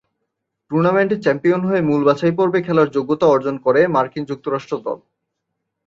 টুর্নামেন্টে চ্যাম্পিয়ন হয়ে মূল বাছাইপর্বে খেলার যোগ্যতা অর্জন করে মার্কিন যুক্তরাষ্ট্র দল।